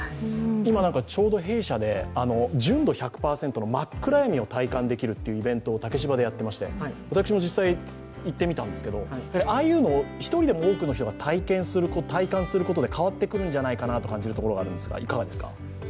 今、ちょうど弊社で純度１００％の真っ暗闇を体験できるっていう催しを竹芝でやっていまして、私も実際に行ってみたんですがああいうのを１人でも多くの人が体験すると変わってくるところがあるんじゃないかと思うんですが。